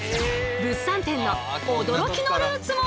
物産展の驚きのルーツも！